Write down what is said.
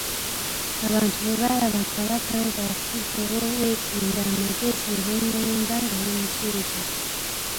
Abantu bwe baalaba Kabaka ng'afudde bo beetenda amagezi ne bamuyimba ng'abamujeeja.